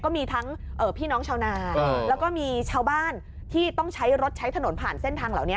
ก็มีทั้งพี่น้องชาวนาแล้วก็มีชาวบ้านที่ต้องใช้รถใช้ถนนผ่านเส้นทางเหล่านี้